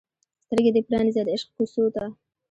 سترګې دې پرانیزه د عشق کوڅو ته